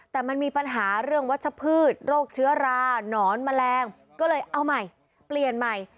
แต่มันมีปัญหาเรื่องวัชพืชโรคเชื้อราหนอนแมลงก็เลยเอาใหม่เปลี่ยนใหม่